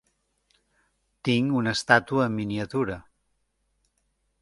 Tinc una estàtua en miniatura.